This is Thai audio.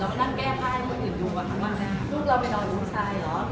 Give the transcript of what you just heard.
เรามานั่งแก้ผ้าให้คนอื่นดูว่าลูกเราเป็นรอดลูกชายหรอ